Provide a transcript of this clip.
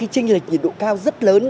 trinh lệch nhiệt độ cao rất lớn